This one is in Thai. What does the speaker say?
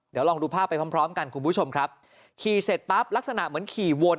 เดี๋ยวลองดูภาพไปพร้อมพร้อมกันคุณผู้ชมครับขี่เสร็จปั๊บลักษณะเหมือนขี่วน